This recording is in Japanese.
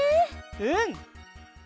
うん！